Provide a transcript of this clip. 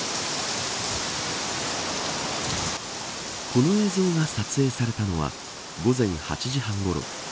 この映像が撮影されたのは午前８時半ごろ。